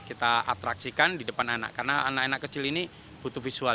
kita atraksikan di depan anak karena anak anak kecil ini butuh visual